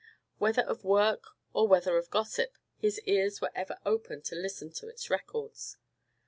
Whether of work, or whether of gossip, his ears were ever open to listen to its records.